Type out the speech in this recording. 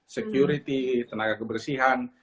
security tenaga kebersihan